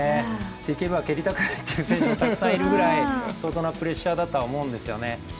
できれば蹴りたくないっていう選手がたくさんいるぐらい相当なプレッシャーだと思うんですね。